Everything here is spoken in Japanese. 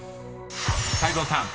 ［泰造さん